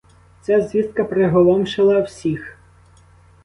Ця звістка приголомшила всіх.